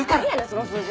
その数字。